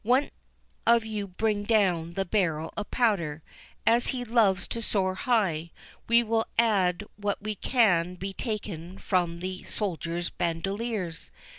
—One of you bring down the barrel of powder. As he loves to soar high, we will add what can be taken from the soldiers' bandoliers.